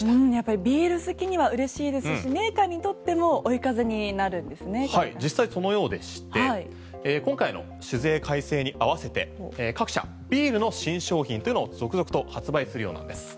やっぱりビール好きには嬉しいですしメーカーにとっても実際そのようでして今回の酒税改正に合わせて各社ビールの新商品を続々と発売するようなんです。